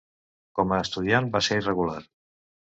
Com a estudiant va ser irregular.